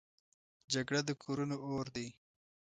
جګړه د کورونو اور دی